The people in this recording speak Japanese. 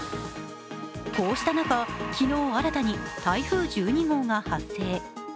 こうした中、昨日新たに台風１２号が発生。